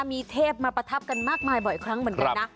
มีเทพมาประทับกันมากมายบ่อยครั้งเหมือนกันนะ